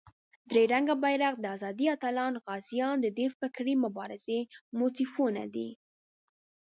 درې رنګه بېرغ، د آزادۍ اتلان، غازیان دده د فکري مبارزې موتیفونه دي.